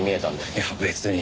いや別に。